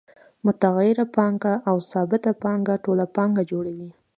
متغیره پانګه او ثابته پانګه ټوله پانګه جوړوي